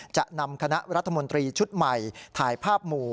จะนำคณะรัฐมนตรีชุดใหม่ถ่ายภาพหมู่